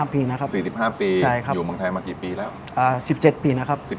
๔๕ปีอยู่บริเวณไทยมากี่ปีล่ะ